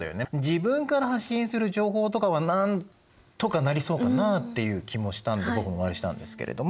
自分から発信する情報とかはなんとかなりそうかなっていう気もしたんで僕も○したんですけれど